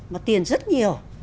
mà tiền rất nhiều